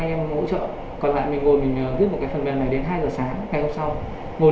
em hỗ trợ còn lại mình ngồi mình viết một cái phần mềm này đến hai giờ sáng ngày hôm sau